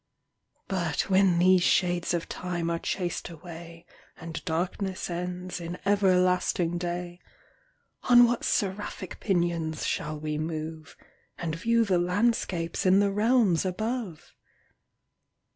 But when these shades of time are chas'd away, And darkness ends in everlasting day, On what seraphic pinions shall we move, And view the landscapes in the realms above?